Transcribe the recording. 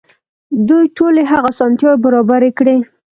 دوی ټولې هغه اسانتياوې برابرې کړې.